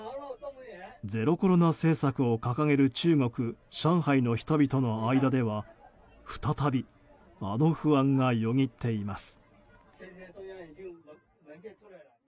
ゼロコロナ政策を掲げる中国・上海の人々の間では再び、あの不安がよぎっています。